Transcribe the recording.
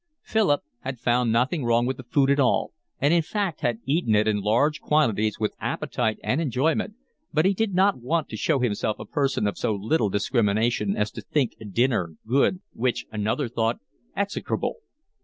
Philip had found nothing wrong with the food at all, and in fact had eaten it in large quantities with appetite and enjoyment, but he did not want to show himself a person of so little discrimination as to think a dinner good which another thought execrable.